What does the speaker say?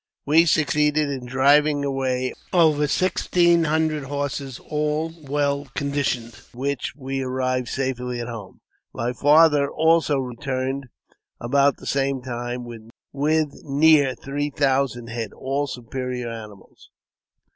We succeeded in driving away over sixteen hundred horses, all well conditioned, with which we arrived safely at home. My father also returned about the same time with near three 160 AUTOBIOGBAPHY OF thousand head, all superior animals.